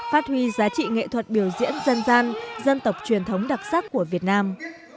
phát huy giá trị nghệ thuật biểu diễn dân gian dân tộc truyền thống đặc sắc của việt nam